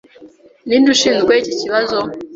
Ninde ushinzwe iki kibazo?